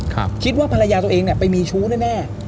คิดว่าภรรยาตัวเองเนี่ยไปมีชู้แน่